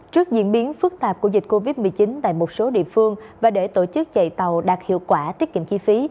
trước diễn biến phức tạp của dịch covid một mươi chín tại một số địa phương và để tổ chức chạy tàu đạt hiệu quả tiết kiệm chi phí